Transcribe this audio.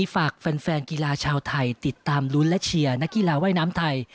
ฝากแฟนกีฬาชาวไทยติดตามลุ้นและเชียร์นักกีฬาว่ายน้ำไทย